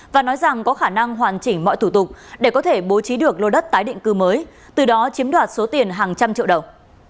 và nói rằng có khả năng hoàn chỉnh mọi thủ tục để có thể bố trí được lô đất tái định cư mới từ đó chiếm đoạt số tiền hàng trăm triệu đồng